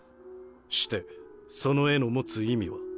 してその絵の持つ意味は？